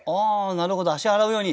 なるほど足洗うように。